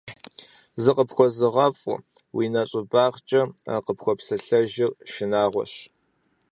ЗыкъыпхуэзыгъэфӀыу уи нэщӀыбагъкӀэ къыпхуэпсэлъэжыр шынагъуэщ.